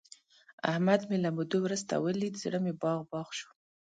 احمد مې له مودو ورسته ولید، زړه مې باغ باغ شو.